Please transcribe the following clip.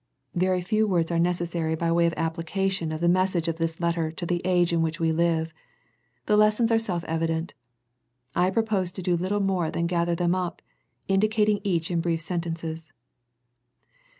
Very few words are necessary by way of 214 A First Century Message application of the message of this letter to the age in which we live. The lessons are self evident. I propose to do little more than gather them up, indicating each in brief sen tences.